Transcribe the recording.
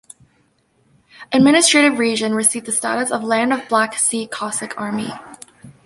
Administrative region received the status of "Land of Black Sea Cossack Army".